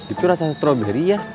itu rasa strawberry ya